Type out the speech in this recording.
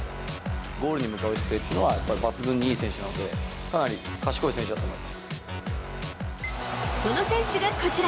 ゴールに向かう姿勢っていうのは、抜群にいい選手なので、その選手がこちら。